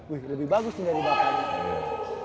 wih lebih bagus sih dari bapaknya